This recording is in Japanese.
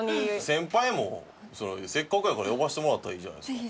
先輩もせっかくやから呼ばせてもらったらいいじゃないですか。